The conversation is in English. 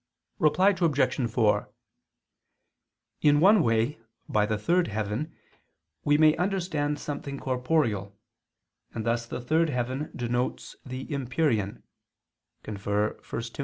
Reply Obj. 4: In one way by the third heaven we may understand something corporeal, and thus the third heaven denotes the empyrean [*1 Tim.